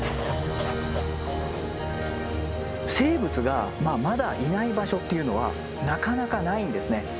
生物がまだいない場所っていうのはなかなかないんですね。